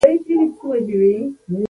ور بند کړه!